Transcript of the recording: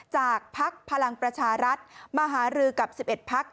พักพลังประชารัฐมาหารือกับ๑๑พัก